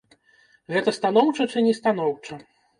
Гэта станоўча ці не станоўча?